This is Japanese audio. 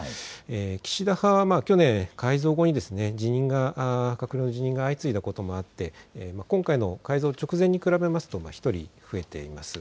岸田派は去年、改造後に閣僚辞任が相次いだこともあって今回の改造直前に比べると１人増えています。